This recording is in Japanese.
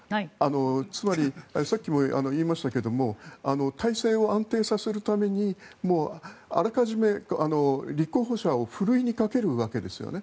つまりさっきも言いましたけども体制を安定させるためにあらかじめ立候補者をふるいにかけるわけですね。